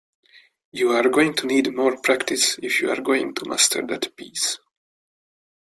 You're going to need more practice if you're going to master that piece.